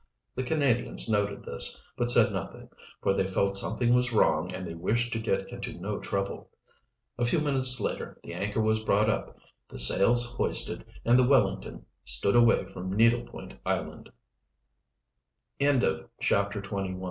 The Canadians noted this, but said nothing, for they felt something was wrong and they wished to get into no trouble. A few minutes later the anchor was brought up, the sails hoisted, and the Wellington stood away from Needle Point Island. CHAPTER XXII. THE SECRET OF THE ISLAND CAVE.